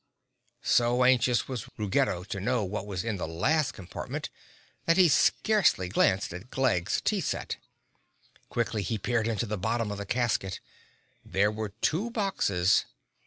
So anxious was Ruggedo to know what was in the last compartment that he scarcely glanced at Glegg's tea set. Quickly he peered into the bottom of the casket. There were two boxes.